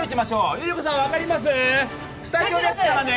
ＬｉＬｉＣｏさん、分かります、スタジオですからね。